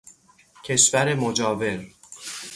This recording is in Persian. کشور مجاور